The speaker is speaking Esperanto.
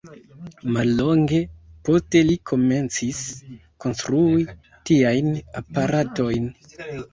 Mallonge poste li komencis konstrui tiajn aparatojn.